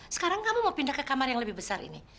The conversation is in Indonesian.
sekarang kamu mau pindah ke kamar yang lebih besar ini